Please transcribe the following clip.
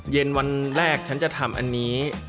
เย็นวันแรกฉันจะทำอันนี้